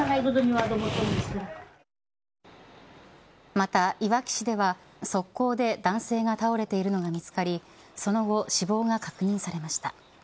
また、いわき市では側溝で男性が倒れているのが見つかりその後、死亡が確認されました。